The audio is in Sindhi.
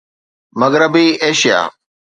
مغربي ايشيا